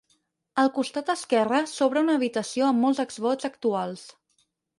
Al costat esquerre s'obre una habitació amb molts exvots actuals.